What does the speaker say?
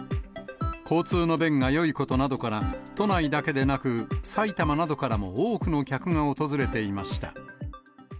交通の便がよいことなどから、都内だけでなく、埼玉などからも多くの客が訪れていました。